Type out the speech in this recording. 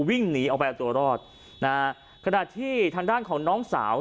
วิ่งหนีออกไปเอาตัวรอดนะฮะขณะที่ทางด้านของน้องสาว